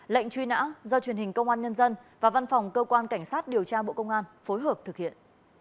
lệnh truy nã do truyền hình công an nhân dân và văn phòng cơ quan cảnh sát điều tra bộ công an phối hợp thực hiện